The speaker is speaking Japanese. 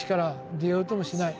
出ようともしない。